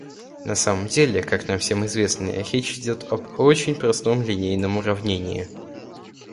На самом деле, как нам всем известно, речь идет об очень простом линейном уравнении.